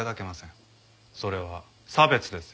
それは差別ですよ。